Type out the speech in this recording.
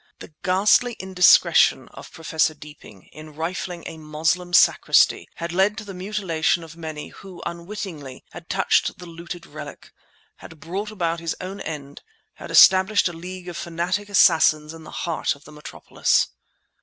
The ghastly indiscretion of Professor Deeping, in rifling a Moslem Sacristy, had led to the mutilation of many who, unwittingly, had touched the looted relic, had brought about his own end, had established a league of fantastic assassins in the heart of the metropolis.